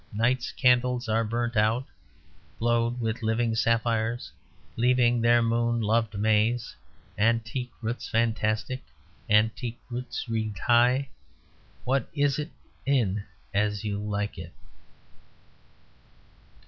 night's candles are burnt out... glowed with living sapphires... leaving their moon loved maze... antique roots fantastic... antique roots wreathed high... what is it in As You Like It?"